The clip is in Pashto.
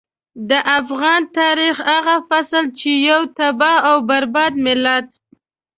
د افغان تاريخ هغه فصل چې يو تباه او برباد ملت.